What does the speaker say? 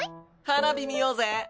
花火見ようぜ！